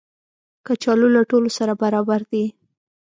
کچالو له ټولو سره برابر دي